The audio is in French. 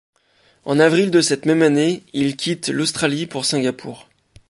En avril de cette même année, ils quittent l'Australie pour Singapour.